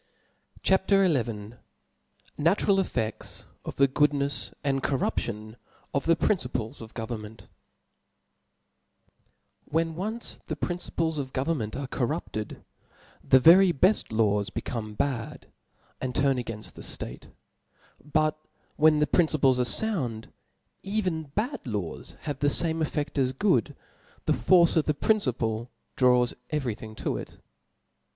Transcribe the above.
CHAP. 'of la W S. 171 C H A P, XL Natuml EffeSfs of the Goodnefs and Corruption of the Principles of Government* TTTHEN once the principles of government Book ^^ are corrupted, the very beft laws become ^'^^• bad, and turn againft the (late : but when the prin *^* ciples are found, even bad laws have the fame; cf fedt as good ; the force of the principle draws every thing to it.